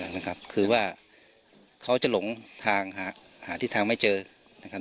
นะครับคือว่าเขาจะหลงทางหาหาที่ทางไม่เจอนะครับ